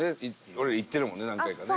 俺ら行ってるもんね何回かね。